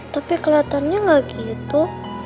tapi keliatannya gak gitu